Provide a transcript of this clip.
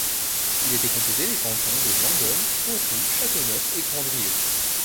Il était composé des cantons de Langogne, Auroux, Châteauneuf et Grandrieu.